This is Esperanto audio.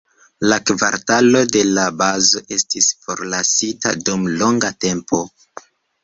La kvartalo de la bazo estis forlasita dum longa tempo.